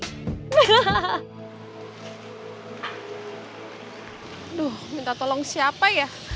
aduh minta tolong siapa ya